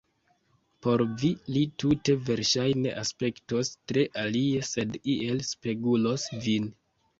Por vi li tute verŝajne aspektos tre alie, sed iel spegulos vin.